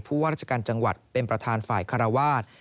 ว่าราชการจังหวัดเป็นประธานฝ่ายคารวาส